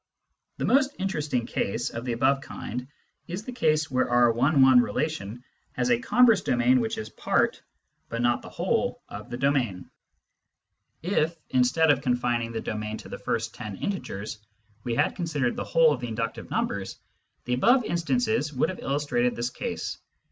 The most interesting case of the above kind is the case where bur one one relation has a converse domain which is part, but 4 50 Introduction to Mathematical Philosophy not the whole, of the domain. • If, instead of confining the domain to the first ten integers, we had considered the whole of the inductive numbers, the above instances would have illustrated this case.